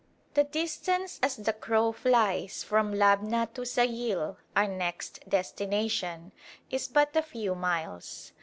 The distance as the crow flies from Labna to Sayil (our next destination) is but a few miles.